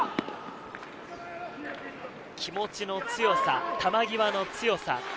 気持ちの強さ、球際の強さ。